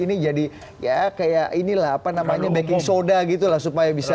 ini jadi ya kayak inilah apa namanya baking soda gitu lah supaya bisa